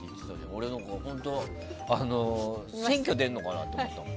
俺何か、本当は選挙出るのかなと思ったもん。